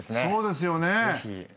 そうですよね。